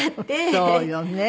そうよね。